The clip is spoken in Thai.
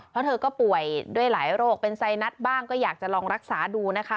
เพราะเธอก็ป่วยด้วยหลายโรคเป็นไซนัสบ้างก็อยากจะลองรักษาดูนะคะ